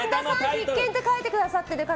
必見って書いてくださってる方。